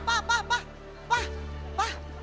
pak pak pak pak pak pak pak